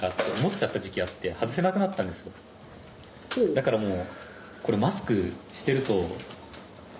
だからもう。